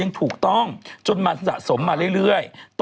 ถูกต้องจนมันสะสมมาเรื่อย